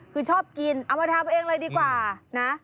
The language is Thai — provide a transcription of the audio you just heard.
คือชอบกินเอามาทำเองเลยดีกว่านะ